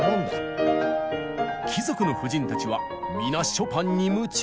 貴族の婦人たちは皆ショパンに夢中。